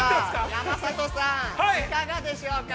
山里さん、いかがでしょうか。